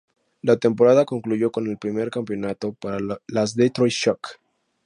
La temporada concluyó con el primer campeonato para las Detroit Shock.